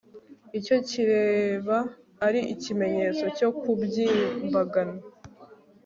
icyo kiraba ari ikimenyetso cyo kubyimbagana